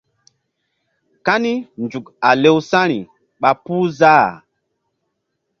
Kani nzuk a lewsa̧ri ɓa puh záh.